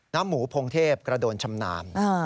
น้ำหมูพงเทพกระโดนชำนาม